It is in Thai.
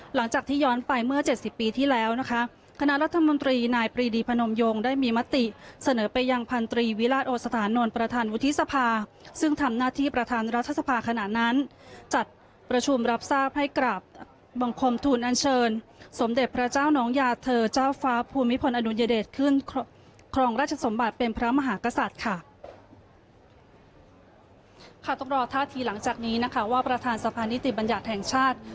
หลังจากที่ย้อนไปเมื่อ๗๐ปีที่แล้วนะคะคณะรัฐมนตรีนายปรีดีพนมโยงได้มีมติเสนอไปยังพันตรีวิราชโอสถานนท์ประธานวุฒิสภาซึ่งทำหน้าที่ประธานรัฐสภาขณะนั้นจัดประชุมรับทราบให้กลับบังคมทูลอัญเชิญสมเด็จพระเจ้านองยาเธอเจ้าฟ้าภูมิพลอนุญาเดชขึ้นครองราชสมบัติเป็นพระมห